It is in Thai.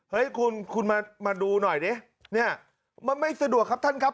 เฮ้ยคุณคุณมาดูหน่อยดิเนี่ยมันไม่สะดวกครับท่านครับ